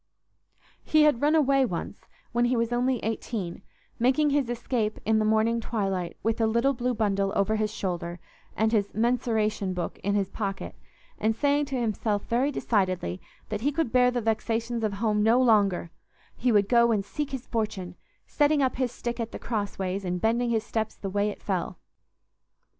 He had run away once when he was only eighteen, making his escape in the morning twilight with a little blue bundle over his shoulder, and his "mensuration book" in his pocket, and saying to himself very decidedly that he could bear the vexations of home no longer—he would go and seek his fortune, setting up his stick at the crossways and bending his steps the way it fell.